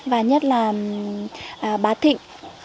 và nhất là bà thịnh